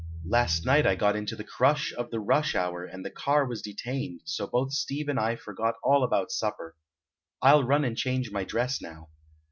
Last night I got into the crush of the 'rush hour,' and the car was detained, so both Steve and I forgot all about supper. I'll run and change my dress now."